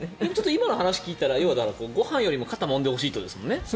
今の話を聞いたらご飯よりも肩をもんでほしいということですもんね。